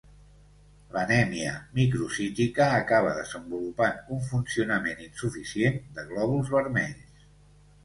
L'anèmia microcítica acaba desenvolupant un funcionament insuficient de glòbuls vermells.